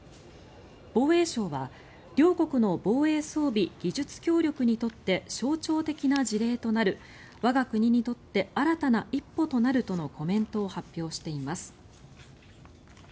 防衛省は、両国の防衛装備技術協力にとって象徴的な事例となる我が国にとって新たな一歩となるとのコメントを発表しています。